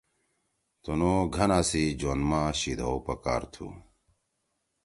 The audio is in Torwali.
تُنوُ گھنا سی جوند ما شیِد ہُو پکار تُھو